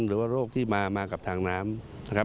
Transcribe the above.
หรือว่าโรคที่มากับทางน้ำนะครับ